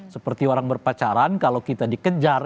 seperti orang berpacaran kalau kita dikejar